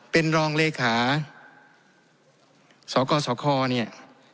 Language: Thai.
เป็นรองเลขาสกสคเนี่ย